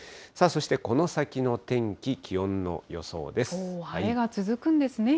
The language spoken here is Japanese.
そしてこの先の天気、気温の予想です。